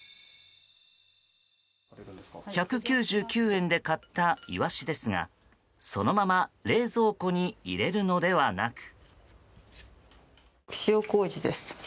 １９９円で買ったイワシですがそのまま冷蔵庫に入れるのではなく。